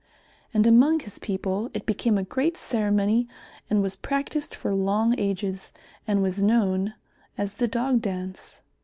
And among his people it became a great ceremony and was practised for long ages, and was known as the Dog Dance.